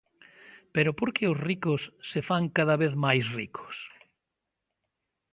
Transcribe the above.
Pero por que os ricos se fan cada vez máis ricos?